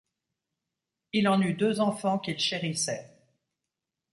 Il en eut deux enfants qu’il chérissait